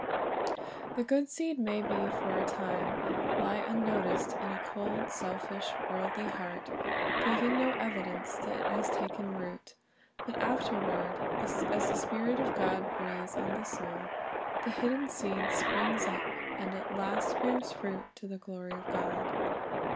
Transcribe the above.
The good seed may for a time lie unnoticed in a cold, selfish, worldly heart, giving no evidence that it has taken root; but afterward, as the Spirit of God breathes on the soul, the hidden seed springs up, and af last bears fruit to the glory of God.